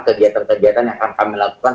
kegiatan kegiatan yang akan kami lakukan